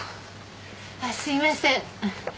あっすいません。